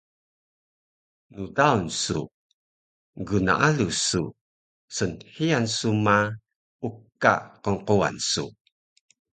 ndaan su, gnaalu su, snhiyan su ma uka qnquwan su